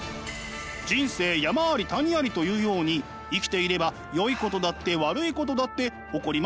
「人生山あり谷あり」というように生きていればよいことだって悪いことだって起こりますよね。